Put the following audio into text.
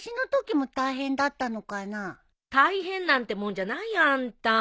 大変なんてもんじゃないよあんた。